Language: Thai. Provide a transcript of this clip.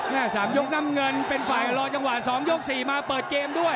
๓ยกน้ำเงินเป็นฝ่ายรอจังหวะ๒ยก๔มาเปิดเกมด้วย